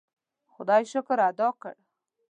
خدای شکر ادا کړ.